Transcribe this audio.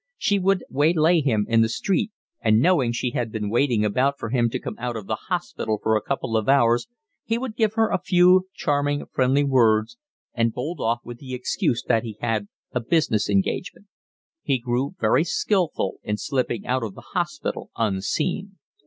She would waylay him in the street and, knowing she had been waiting about for him to come out of the hospital for a couple of hours, he would give her a few charming, friendly words and bolt off with the excuse that he had a business engagement. He grew very skilful in slipping out of the hospital unseen.